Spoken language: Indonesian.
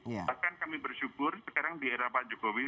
bahkan kami bersyukur sekarang di era pak jokowi